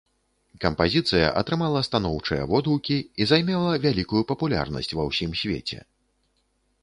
Кампазіцыя атрымала станоўчыя водгукі і займела вялікую папулярнасць ва ўсім свеце.